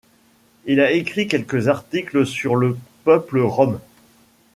Il a écrit quelques articles sur le peuple rom.